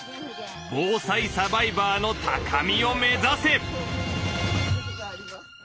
防災サバイバーの高みを目指せ！